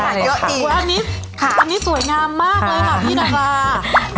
ได้เลยค่ะโอ้ยอันนี้ค่ะอันนี้สวยงามมากเลยค่ะพี่นะคะ